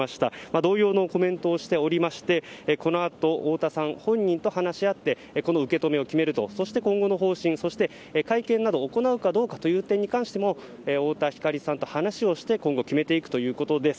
同様のコメントをしていてこのあと太田さん本人と話し合ってこの受け止めを決めるとそして今後の方針会見などを行うかに関しても太田光さんと話をして今後決めていくということです。